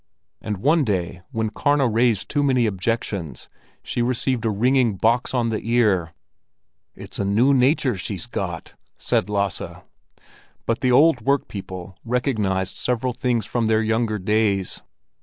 And one day when Karna raised too many objections she received a ringing box on the ear. "It's a new nature she's got," said Lasse. But the old workpeople recognized several things from their young days.